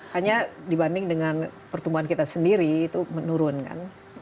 hanya dibanding dengan pertumbuhan kita sendiri itu menurun kan